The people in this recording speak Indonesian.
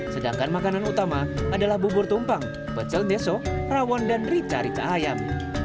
sedangkan makanan utama adalah bubur tumpang becel deso rawon dan rica rica ayam